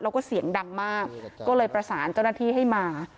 แล้วก็เสียงดังมากก็เลยประสานเจ้าหน้าที่ให้มา